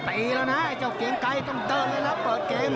เทพเชียร์เกียร์ไก่ต้องเดินเลยครับเปิดเกม